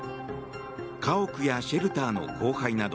家屋やシェルターの荒廃など